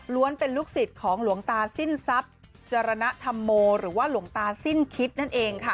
เป็นลูกศิษย์ของหลวงตาสิ้นทรัพย์จรณฑรรโมหรือว่าหลวงตาสิ้นคิดนั่นเองค่ะ